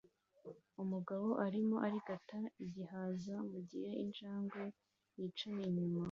Umugabo arimo arigata igihaza mugihe injangwe yicaye inyuma